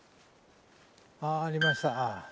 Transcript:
あありました。